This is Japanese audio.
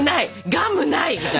ガムない！みたいな。